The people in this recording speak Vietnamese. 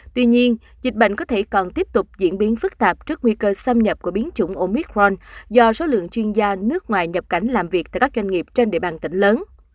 tuy nhiên dịch bệnh có thể còn tiếp tục diễn biến phức tạp trước nguy cơ xâm nhập của biến chủng omic ron do số lượng chuyên gia nước ngoài nhập cảnh làm việc tại các doanh nghiệp trên địa bàn tỉnh lớn